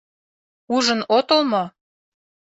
Ужын отыл мо?